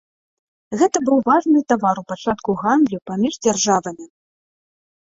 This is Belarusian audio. Гэта быў важны тавар у пачатку гандлю паміж дзяржавамі.